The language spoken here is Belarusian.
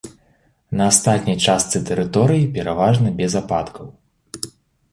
На астатняй частцы тэрыторыі пераважна без ападкаў.